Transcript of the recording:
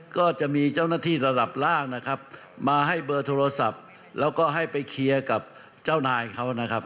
ก็จะมีเจ้าหน้าที่ระดับล่างนะครับมาให้เบอร์โทรศัพท์แล้วก็ให้ไปเคลียร์กับเจ้านายเขานะครับ